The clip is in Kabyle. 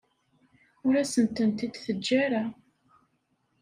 Ur asent-tent-id-teǧǧa ara.